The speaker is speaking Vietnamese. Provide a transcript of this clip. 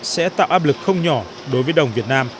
sẽ tạo áp lực không nhỏ đối với đồng việt nam